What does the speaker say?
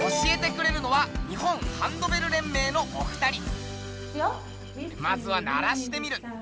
教えてくれるのはまずは鳴らしてみる。